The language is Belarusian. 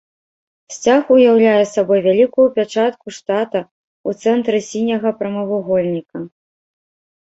Сцяг уяўляе сабой вялікую пячатку штата ў цэнтры сіняга прамавугольніка.